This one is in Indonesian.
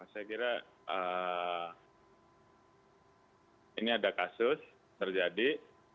saya kira ini ada kasus terjadi